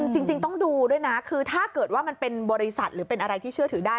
จริงต้องดูด้วยนะคือถ้าเกิดว่ามันเป็นบริษัทหรือเป็นอะไรที่เชื่อถือได้